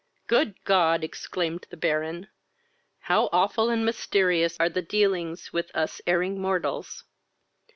"Good God! (exclaimed the Baron,) how awful and mysterious are they dealings with us erring mortals!